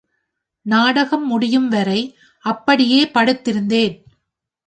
நாடகம் முடியும் வரை அப்படியே படுத்திருந்தேன்.